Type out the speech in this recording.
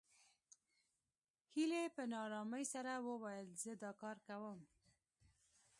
هيلې په نا آرامۍ سره وويل زه دا کار کوم